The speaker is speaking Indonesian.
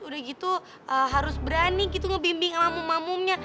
terus udah gitu harus berani gitu ngebimbing sama umum umumnya